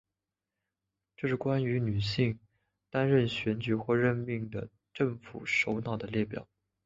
这是关于女性担任选举或者任命的政府首脑的列表。